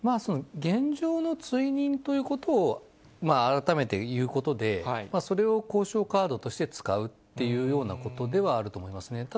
現状の追認ということを、改めて言うことで、それを交渉カードとして使うっていうようなことではあると思いますね。